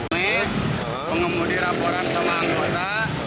ini pengemudi laporan sama anggota